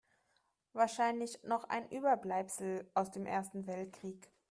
Wahrscheinlich noch ein Überbleibsel aus dem Ersten Weltkrieg.